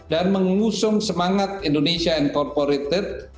dan mengusung semangat indonesia incorporated